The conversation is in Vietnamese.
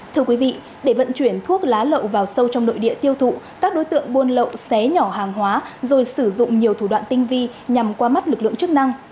thưa quý vị để vận chuyển thuốc lá lậu vào sâu trong nội địa tiêu thụ các đối tượng buôn lậu xé nhỏ hàng hóa rồi sử dụng nhiều thủ đoạn tinh vi nhằm qua mắt lực lượng chức năng